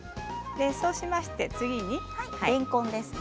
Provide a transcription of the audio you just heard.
そうしまして、次にれんこんですね。